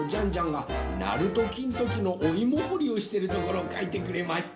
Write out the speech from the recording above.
がなるときんときのおいもほりをしてるところをかいてくれました！